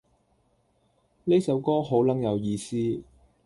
呢首歌好撚有意思